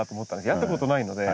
やったことないので。